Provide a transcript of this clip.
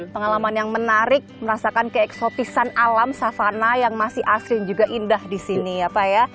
pengalaman yang menarik merasakan keeksotisan alam savana yang masih asli juga indah disini ya pak ya